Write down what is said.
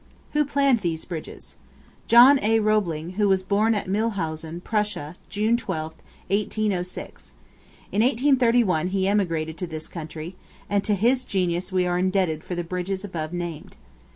Who planned these bridges? John A. Roebling, who was born at Mulhausen, Prussia, June 12, 1806. In 1831 he emigrated to this country, and to his genius we are indebted for the bridges above named.